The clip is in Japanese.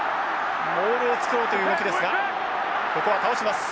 モールを作ろうという動きですがここは倒します。